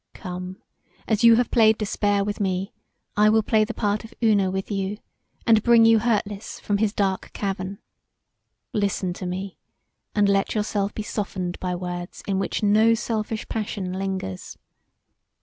Come, as you have played Despair with me I will play the part of Una with you and bring you hurtless from his dark cavern. Listen to me, and let yourself be softened by words in which no selfish passion lingers.